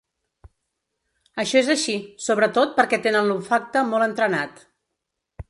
Això és així, sobretot, perquè tenen l’olfacte molt entrenat.